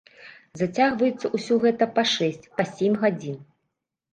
Зацягваецца ўсё гэта па шэсць, па сем гадзін.